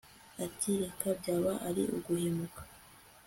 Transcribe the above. ati reka byaba ari uguhemuka